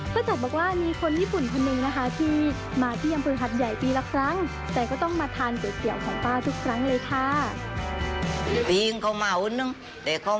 เพราะฉะนั้นบอกว่ามีคนญี่ปุ่นคนหนึ่งนะคะที่มาเที่ยงปืนหัดใหญ่ปีละครั้ง